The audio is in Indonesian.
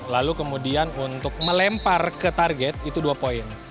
lalu kemudian untuk melempar ke target itu dua poin